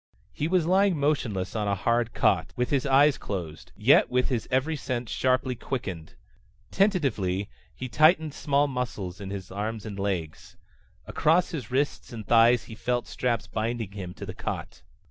He was lying motionless on a hard cot, with his eyes closed, yet with his every sense sharply quickened. Tentatively he tightened small muscles in his arms and legs. Across his wrists and thighs he felt straps binding him to the cot.